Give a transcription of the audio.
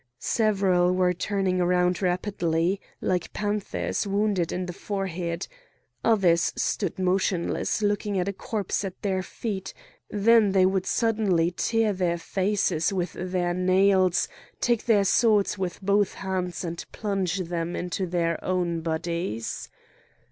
Several were turning round rapidly, like panthers wounded in the forehead. Others stood motionless looking at a corpse at their feet; then they would suddenly tear their faces with their nails, take their swords with both hands, and plunge them into their own bodies.